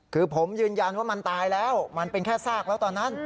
คือผมยืนยันว่ามันตายแล้วมันเป็นแค่ซากแล้วตอนนั้น